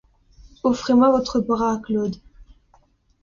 Offrez-moi votre bras, Claude.